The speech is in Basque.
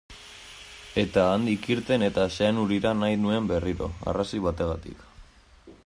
Eta handik irten eta Zeanurira nahi nuen berriro, arrazoi bategatik.